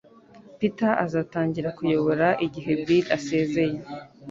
Peter azatangira kuyobora igihe Bill asezeye